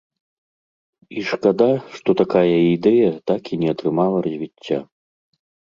І шкада, што такая ідэя так і не атрымала развіцця.